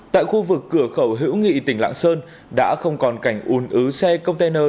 tại khu vực cửa khẩu hữu nghị tỉnh lạng sơn đã không còn cảnh un ứ xe container